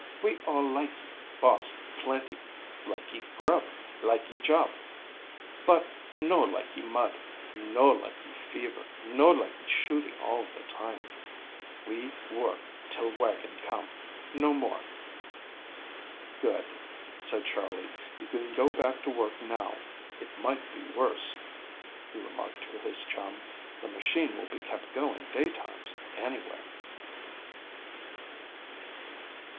We all likee Boss plenty. Likee grub, likee job, but no likee mud, no likee fever, no likee shooting all the time. We work till wagon come no more." "Good," said Charley, "you can go back to work now. It might be worse," he remarked to his chum. "The machine will be kept going day times anyway."